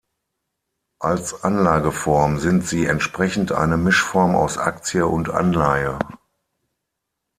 Als Anlageform sind sie entsprechend eine Mischform aus Aktie und Anleihe.